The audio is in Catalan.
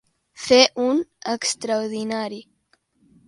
Fer un extraordinari.